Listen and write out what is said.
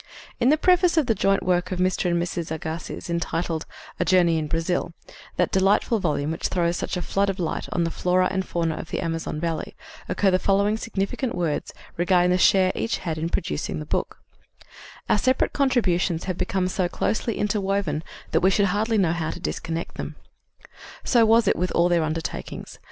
In the preface of the joint work of Mr. and Mrs. Agassiz entitled A Journey in Brazil, that delightful volume which throws such a flood of light on the fauna and flora of the Amazon valley, occur the following significant words regarding the share each had in producing the book: "Our separate contributions have become so closely interwoven that we should hardly know how to disconnect them." So was it with all their undertakings.